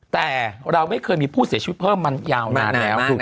แต่เราไม่เคยมีผู้เสียชีวิตเพิ่มมายาวนานแล้วถูกไหม